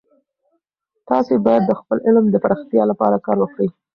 تاسې باید د خپل علم د پراختیا لپاره کار وکړئ.